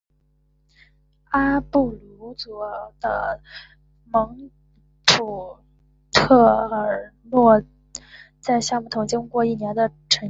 阿布鲁佐的蒙特普尔恰诺在橡木桶经过约一年的陈酿。